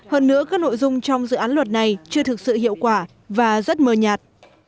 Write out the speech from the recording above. hơn nữa các nội dung trong dự án luật này chưa thực sự hiệu quả và rất mờ nhạt